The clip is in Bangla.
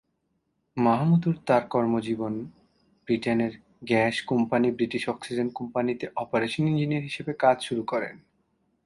মাহমুদুর তার কর্মজীবন ব্রিটেনের গ্যাস কোম্পানি ব্রিটিশ অক্সিজেন কোম্পানিতে অপারেশন ইঞ্জিনিয়ার হিসাবে কাজ শুরু করেন।